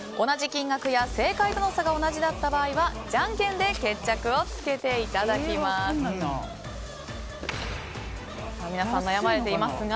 同じ金額や正解との差が同じだった場合はじゃんけんで決着をつけていただきます。